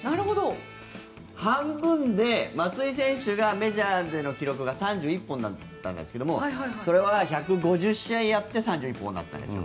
半分で、松井選手がメジャーでの記録が３１本だったんですけどそれは１５０試合やって３１本だったんですよ。